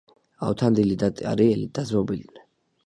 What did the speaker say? ავთანდილი და ტარიელი დაძმობილდნენ